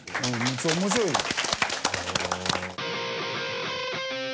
面白いよ。